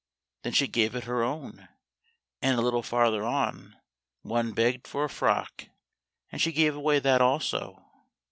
Then she gave it her own; and a little farther on one begged for a frock, and she gave away that also.